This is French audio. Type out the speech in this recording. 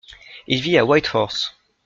Il vit à Whitehorse.